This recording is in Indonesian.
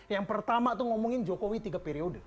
yang pertama tuh ngomongin jokowi tiga periode